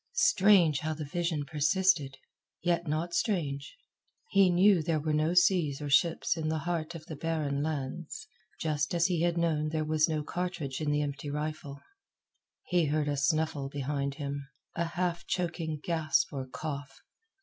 Strange how the vision persisted! Yet not strange. He knew there were no seas or ships in the heart of the barren lands, just as he had known there was no cartridge in the empty rifle. He heard a snuffle behind him a half choking gasp or cough.